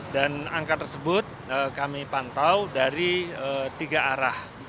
dan angka tersebut kami pantau dari tiga arah